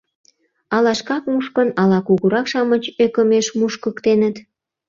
Ала шкак мушкын, ала кугурак-шамыч ӧкымеш мушкыктеныт.